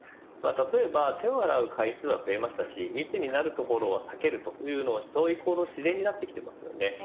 例えば手を洗う回数は増えましたし、密になる所は避けるというそういう行動は自然になっています。